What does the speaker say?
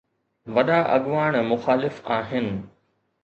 وڏا اڳواڻ مخالف آهن.